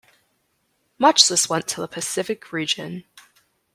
Much this went to the Pacific region.